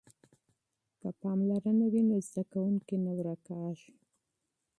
که پاملرنه وي نو زده کوونکی نه ورکیږي.